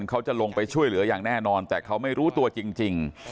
เขาจะลงไปช่วยเหลืออย่างแน่นอนแต่เขาไม่รู้ตัวจริง